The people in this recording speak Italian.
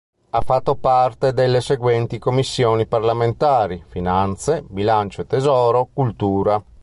Ha fatto parte delle seguenti commissioni parlamentari: Finanze; Bilancio e tesoro; Cultura.